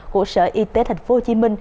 của sở y tế tp hcm